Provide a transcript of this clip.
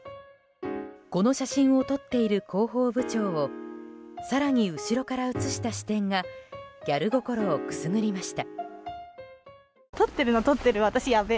この写真を撮っている広報部長を更に後ろから写した視点がギャル心をくすぐりました。